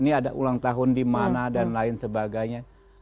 ini ada ulang tahun di mana dan lain sebagainya